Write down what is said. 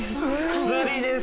薬ですか！